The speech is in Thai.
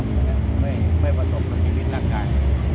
ไม่ผสมผลิติฤทธิ์ร่างกาย